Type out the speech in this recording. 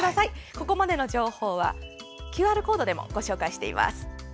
ここまでの情報はＱＲコードでもご紹介しています。